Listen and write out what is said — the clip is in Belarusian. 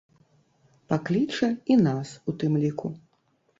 Пакліча і нас, у тым ліку.